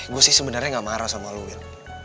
gue sih sebenarnya gak marah sama lo wil